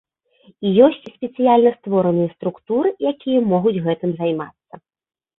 І ёсць спецыяльна створаныя структуры, якія могуць гэтым займацца.